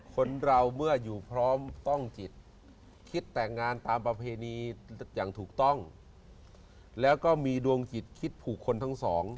คนเราเมื่ออยู่พร้อมต้องจิตคิดแต่งงานตามประเพณีอย่างถูกต้องแล้วก็มีดวงจิตคิดผูกคนทั้งสอง